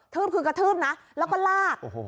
ืบคือกระทืบนะแล้วก็ลาก